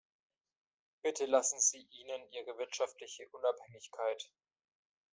Bitte lassen Sie ihnen ihre wirtschaftliche Unabhängigkeit.